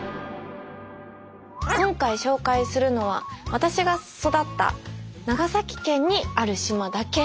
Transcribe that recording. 今回紹介するのは私が育った長崎県にある島だけ。